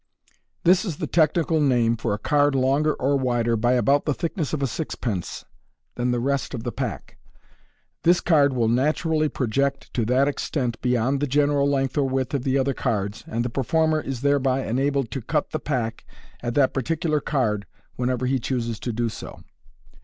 — This is the technical name for a card longer or wider, by about the thickness of a sixpence, than the rest of the pack. This card will naturally project to that extent beyond the general length or width of the other cards, and the performer is thereby enabled to cut the pack at tbit particular card whenever he chooses to do so.